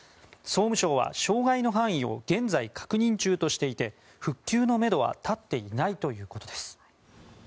総務省は障害の範囲を現在、確認中としていて復旧のめどは立っていないということです。